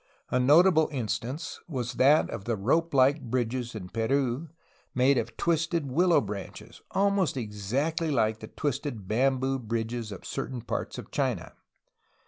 A notable instance was that of the rope like bridges in Peru, made of twisted willow branches, almost exactly like the twisted bamboo bridges of certain parts of China.